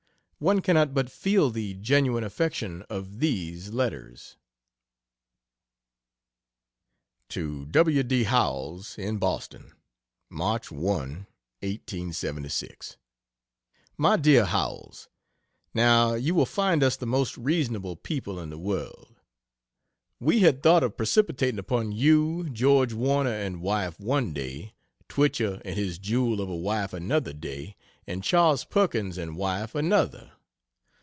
One cannot but feel the genuine affection of these letters. To W. D. Howells, in Boston: Mch. 1, 1876. MY DEAR HOWELLS, Now you will find us the most reasonable people in the world. We had thought of precipitating upon you George Warner and wife one day; Twichell and his jewel of a wife another day, and Chas. Perkins and wife another.